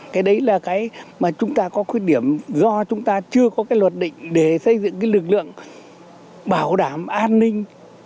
cái đấy là cái mà chúng ta có khuyết điểm do chúng ta chưa có cái luật định để xây dựng cái lực lượng bảo đảm an ninh